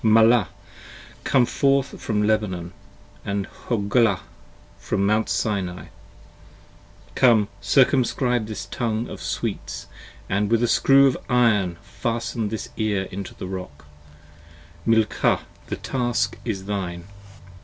Malah, come forth from Lebanon: & Hoglah, from Mount Sinai! 5 Come, circumscribe this tongue of sweets & with a screw of iron Fasten this ear into the rock: Milcah, the task is thine!